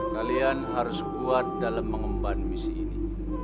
kalian harus kuat dalam mengemban misi ini